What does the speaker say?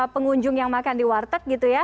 pengunjung yang makan di warteg